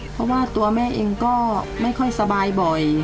เพราะว่าตัวแม่เองก็ไม่ค่อยสบายบ่อย